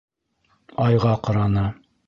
Айға ҡараны.